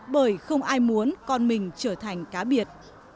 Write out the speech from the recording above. bởi không ai muốn con mình trở thành cá biệt